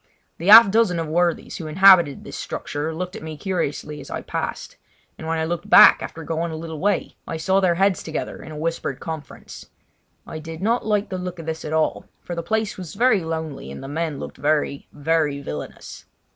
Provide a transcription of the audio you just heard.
The half dozen of worthies who inhabited this structure looked at me curiously as I passed; and when I looked back after going a little way I saw their heads together in a whispered conference. I did not like the look of this at all, for the place was very lonely, and the men looked very, very villainous.